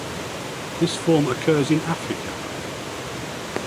This form occurs in Africa.